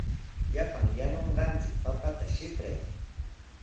Llapan yanunqanchik papata sipray.